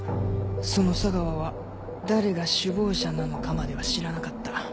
その佐川は誰が首謀者なのかまでは知らなかった。